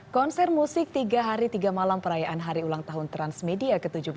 konser musik tiga hari tiga malam perayaan hari ulang tahun transmedia ke tujuh belas